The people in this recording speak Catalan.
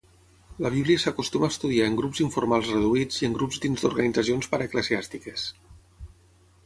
La Bíblia s'acostuma a estudiar en grups informals reduïts i en grups dins d'organitzacions paraeclesiàstiques.